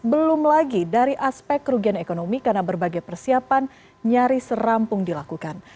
belum lagi dari aspek kerugian ekonomi karena berbagai persiapan nyaris rampung dilakukan